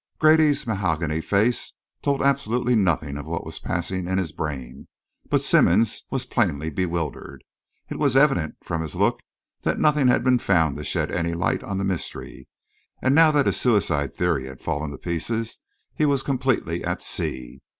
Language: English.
Grady's mahogany face told absolutely nothing of what was passing in his brain, but Simmonds was plainly bewildered. It was evident from his look that nothing had been found to shed any light on the mystery; and now that his suicide theory had fallen to pieces, he was completely at sea.